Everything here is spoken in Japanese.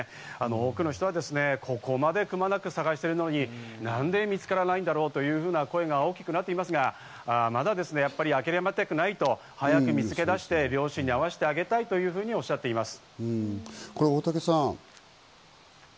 多くの人はここまでくまなく捜しているのに、何で見つからないんだろうという声が大きくなっていますが、まだ諦めたくないと早く見つけ出して両親に会わせてあげたいとおっしゃっています。